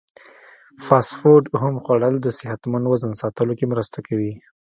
فاسټ فوډ کم خوړل د صحتمند وزن ساتلو کې مرسته کوي.